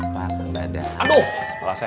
nanti kita ke sana